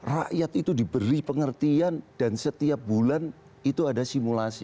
rakyat itu diberi pengertian dan setiap bulan itu ada simulasi